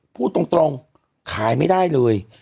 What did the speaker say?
พูดตรงไขมันได้เลย